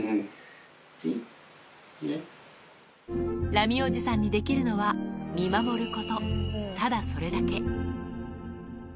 ラミおじさんにできるのは見守ること、ただそれだけ。